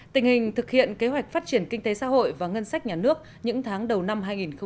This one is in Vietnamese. tình hình thực hiện kế hoạch phát triển kinh tế xã hội và ngân sách nhà nước những tháng đầu năm hai nghìn một mươi chín